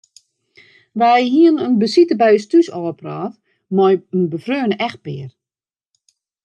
Wy hiene in besite by ús thús ôfpraat mei in befreone echtpear.